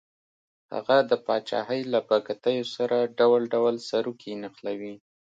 هغه د پاچاهۍ له بګتیو سره ډول ډول سروکي نښلوي.